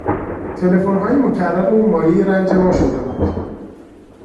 تلفنهای مکرر او مایهی رنج ما شده بود.